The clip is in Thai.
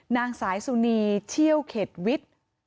นางสายสุนีเชี่ยวเข็ดวิทย์